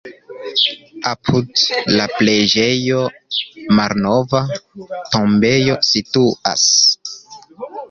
Apud la preĝejo malnova tombejo situas.